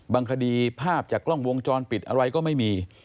คดีภาพจากกล้องวงจรปิดอะไรก็ไม่มี